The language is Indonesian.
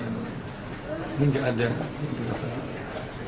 ini nggak ada yang dirasakan